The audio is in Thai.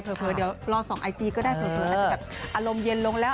เดี๋ยวรอส่องไอจีก็ได้เผลออาจจะแบบอารมณ์เย็นลงแล้ว